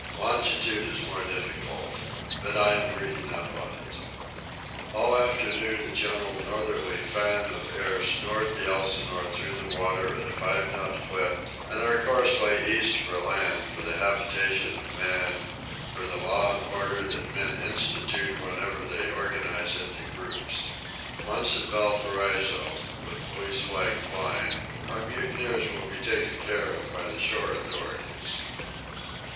Longitude is more difficult. But I am reading up on it. All afternoon a gentle northerly fan of air snored the Elsinore through the water at a five knot clip, and our course lay east for land, for the habitations of men, for the law and order that men institute whenever they organize into groups. Once in Valparaiso, with police flag flying, our mutineers will be taken care of by the shore authorities.